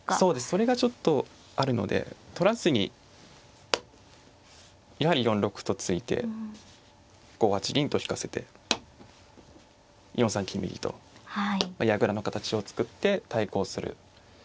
それがちょっとあるので取らずにやはり４六歩と突いて５八銀と引かせて４三金右と矢倉の形を作って対抗する。